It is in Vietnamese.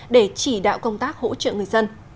để chỉ đạo công tác hỗ trợ người dân